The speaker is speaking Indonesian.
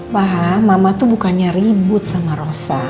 paham mama tuh bukannya ribut sama rosa